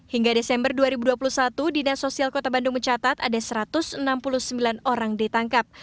hingga desember dua ribu dua puluh satu dinas sosial kota bandung mencatat ada satu ratus enam puluh sembilan orang ditangkap